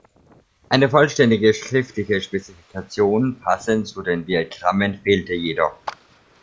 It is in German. Eine vollständige schriftliche Spezifikation passend zu den Diagrammen fehlte jedoch.